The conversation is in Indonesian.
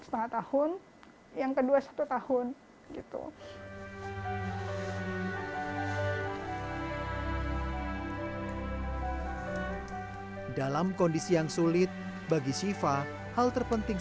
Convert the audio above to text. setengah tahun yang kedua satu tahun gitu dalam kondisi yang sulit bagi siva hal terpenting